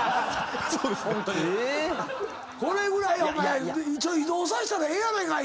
これぐらいお前移動させたらええやないかいって。